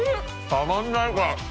たまんないこれ。